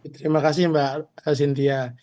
terima kasih mbak zintia